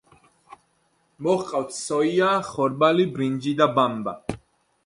მოჰყავთ სოია, ხორბალი, ბრინჯი და ბამბა.